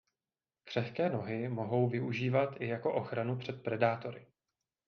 Křehké nohy mohou využívat i jako ochranu před predátory.